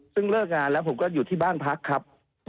ซึ่งเลิกงานแล้วผมก็อยู่ที่บ้านพักครับ